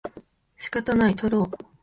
仕方ない、とろう